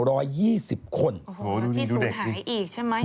โอ้โฮที่สูงหายอีกใช่ไหม